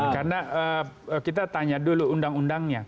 karena kita tanya dulu undang undang